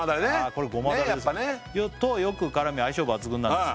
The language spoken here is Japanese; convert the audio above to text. これごまダレです「とよく絡み相性抜群なんです」